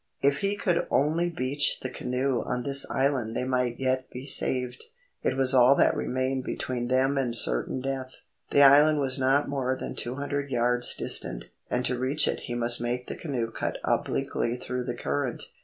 If he could only beach the canoe on this island they might yet be saved. It was all that remained between them and certain death. The island was not more than two hundred yards distant, and to reach it he must make the canoe cut obliquely through the current.